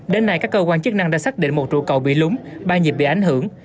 đến nay các cơ quan chức năng đã xác định một trụ cầu bị lúng ba nhịp bị ảnh hưởng